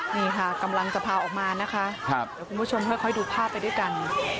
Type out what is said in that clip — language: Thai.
นี่ค่ะกำลังจะพาออกมานะคะเดี๋ยวคุณผู้ชมค่อยดูภาพไปด้วยกัน